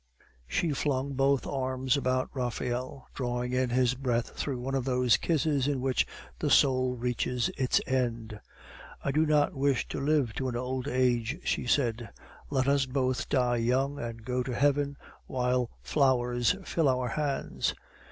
She flung both arms about Raphael, drawing in his breath through one of those kisses in which the soul reaches its end. "I do not wish to live to old age," she said. "Let us both die young, and go to heaven while flowers fill our hands."